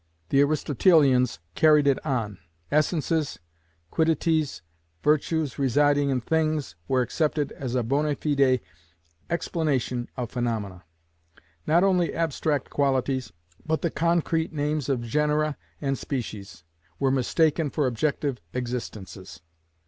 The Aristotelians carried it on. Essences, quiddities, virtues residing in things, were accepted as a bonâ fide explanation of phaenomena. Not only abstract qualities, but the concrete names of genera and species, were mistaken for objective existences.